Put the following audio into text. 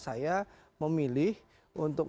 saya memilih untuk